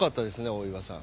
大岩さん。